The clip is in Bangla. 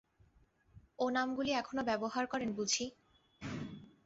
ও নামগুলো এখনো ব্যবহার করেন বুঝি?